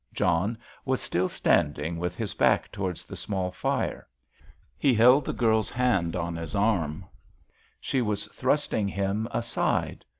John was still standing with his back towards the small fire. He felt the girl's hand on his arm; she was thrusting him aside.